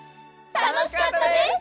たのしかったです。